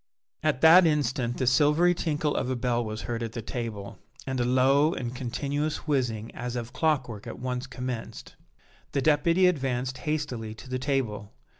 At that instant the silvery tinkle of a bell was heard at the table, and a low and continuous whizzing as of clockwork at once commenced. The Deputy advanced hastily to the table.